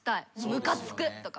ムカつくとか。